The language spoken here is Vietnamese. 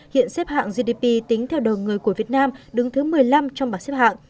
hiện xếp hạng gdp tính theo đầu người của việt nam đứng thứ một mươi năm trong bảng xếp hạng